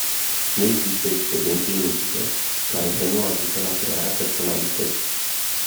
Nu există experiențe inutile, care să nu ajute la crearea personalității.